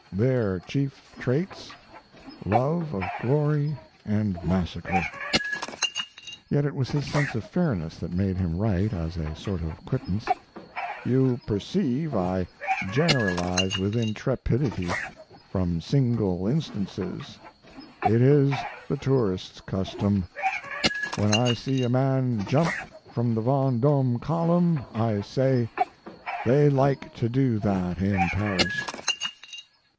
Their chief traits love of glory and massacre." Yet it was his sense of fairness that made him write, as a sort of quittance: "You perceive I generalize with intrepidity from single instances. It is the tourists' custom. When I see a man jump from the Vendome Column I say, 'They like to do that in Paris.'"